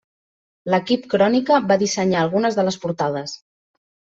L'Equip Crònica va dissenyar algunes de les portades.